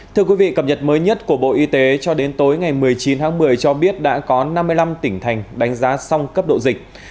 thưa quý vị cập nhật mới nhất của bộ y tế cho đến tối ngày một mươi chín tháng một mươi cho biết đã có năm mươi năm tỉnh thành đánh giá xong cấp độ dịch